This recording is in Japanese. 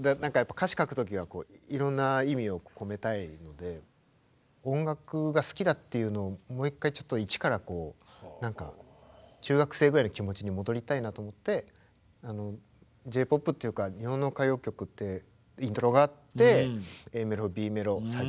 歌詞書く時はいろんな意味を込めたいので音楽が好きだっていうのをもう一回ちょっと一からこう何か中学生ぐらいの気持ちに戻りたいなと思ってＪ−ＰＯＰっていうか日本の歌謡曲ってイントロがあってＡメロＢメロサビ